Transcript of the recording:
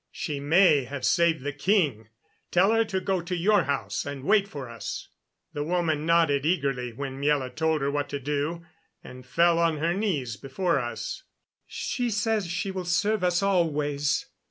"She may have saved the king. Tell her to go to your house and wait for us." The woman nodded eagerly when Miela told her what to do, and fell on her knees before us. "She says she will serve us always.